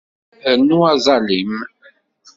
Rnu aẓalim.